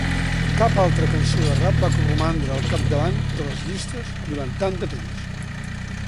Cap altra cançó de rap va romandre al capdavant de les llistes durant tant de temps.